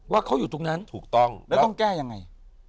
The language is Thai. ว่าเขาอยู่ตรงนั้นถูกต้องแล้วต้องแก้ยังไง